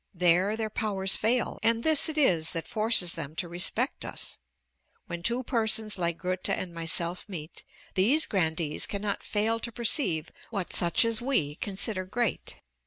There their powers fail, and this it is that forces them to respect us. When two persons like Goethe and myself meet, these grandees cannot fail to perceive what such as we consider great.